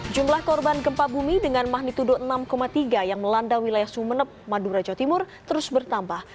jumlah korban gempa bumi dengan magnitudo enam tiga yang melanda wilayah sumeneb madura jawa timur terus bertambah